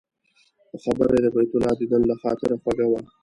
خو خبره یې د بیت الله دیدن له خاطره خوږه وه.